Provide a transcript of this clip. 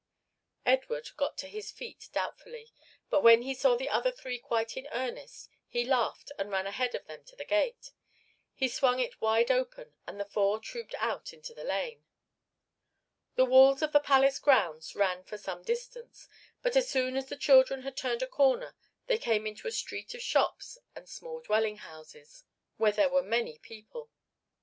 Edward got to his feet doubtfully, but when he saw the other three quite in earnest he laughed, and ran ahead of them to the gate. He swung it wide open and the four trooped out into the lane. The walls of the palace grounds ran for some distance, but as soon as the children had turned a corner they came into a street of shops and small dwelling houses where there were many people.